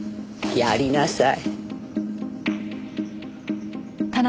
やりなさい。